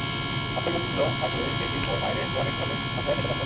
আশ্রয়কেন্দ্র থাকলে হেইদিন মোর মায়রে জোয়ারের ঢলে ভাসাইয়্যা নেতে পারত না।